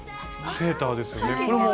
セーターですよね。